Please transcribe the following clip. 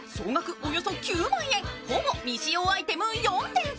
およそ９万円、ほぼ未使用アイテム４点か。